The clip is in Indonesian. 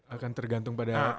akan tergantung pada